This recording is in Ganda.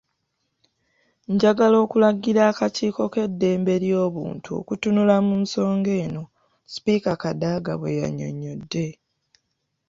Njagala okulagira akakiiko k'eddembe ly'obuntu okutunula mu nsonga eno.” Sipiika Kadaga bwe yannyonnyodde.